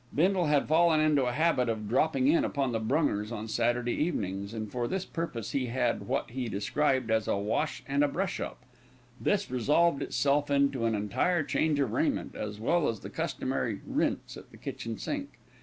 Bindle had fallen into a habit of "dropping in" upon the Brungers on Saturday evenings, and for this purpose he had what he described as "a wash an' brush up." This resolved itself into an entire change of raiment, as well as the customary "rinse" at the kitchen sink.